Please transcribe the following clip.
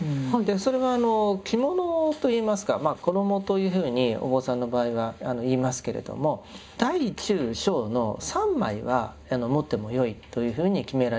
それは着物といいますか衣というふうにお坊さんの場合は言いますけれども大中小の３枚は持ってもよいというふうに決められていたんです。